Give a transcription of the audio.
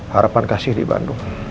harapan kasih di bandung